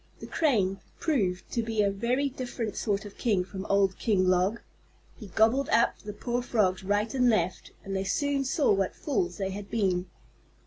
The Crane proved to be a very different sort of king from old King Log. He gobbled up the poor Frogs right and left and they soon saw what fools they had been.